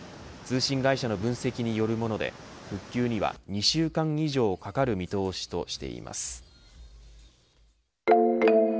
通信会社の分析によるもので復旧には２週間以上かかる見通しとしています。